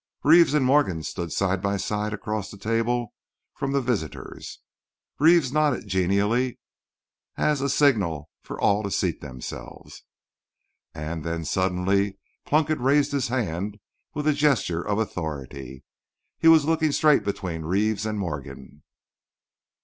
Reeves and Morgan stood side by side across the table from the visitors. Reeves nodded genially as a signal for all to seat themselves. And then suddenly Plunkett raised his hand with a gesture of authority. He was looking straight between Reeves and Morgan.